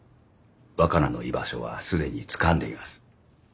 若菜の居場所はすでにつかんでいます。